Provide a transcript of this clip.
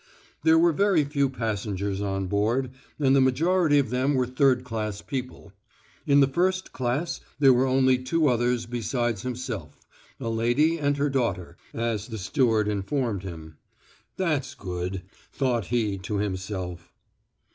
There were very few passengers on board, and the majority of them were third class people. In the first class there were only two others besides himself a lady and her daughter, as the steward informed him. "That's good," thought he to himself.